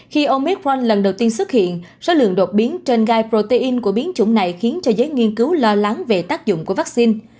khi ôngit frank lần đầu tiên xuất hiện số lượng đột biến trên gai protein của biến chủng này khiến cho giới nghiên cứu lo lắng về tác dụng của vaccine